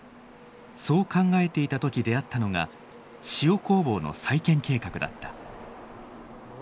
そう考えていた時出会ったのが塩工房の再建計画だった。